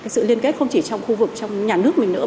sự liên kết không chỉ trong khu vực trong nhà nước mình nữa